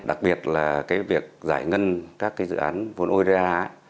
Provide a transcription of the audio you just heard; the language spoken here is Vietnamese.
đặc biệt là cái việc giải ngân các cái dự án vốn oda